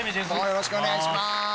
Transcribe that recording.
よろしくお願いします